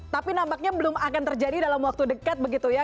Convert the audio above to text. tapi nampaknya belum akan terjadi dalam waktu dekat begitu ya